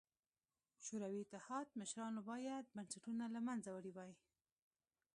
شوروي اتحاد مشرانو باید بنسټونه له منځه وړي وای.